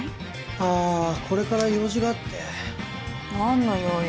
ああこれから用事があって何の用よ？